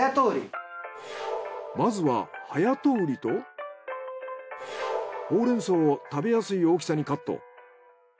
まずはハヤトウリとホウレンソウを食べやすい大きさにカット。